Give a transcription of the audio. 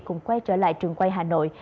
cùng quay trở lại trường quay hà nội